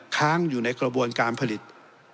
ค้างอยู่ในกระบวนการผลิต